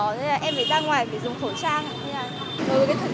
nên là em phải ra ngoài phải dùng khẩu trang